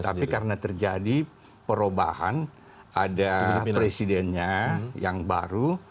tapi karena terjadi perubahan ada presidennya yang baru